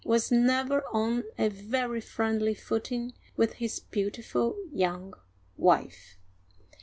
was never on a very friendly footing with his beautiful young wife.